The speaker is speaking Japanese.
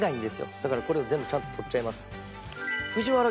だからこれを全部ちゃんと取っちゃいます。